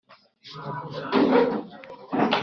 icyo cyegeranyo cye. igiteye agahinda ni uko icyo cyaha